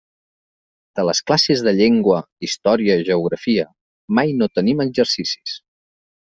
De les classes de llengua, història, geografia..., mai no tenim exercicis.